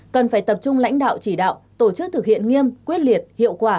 cần phải tập trung lãnh đạo chỉ đạo tổ chức thực hiện nghiêm quyết liệt hiệu quả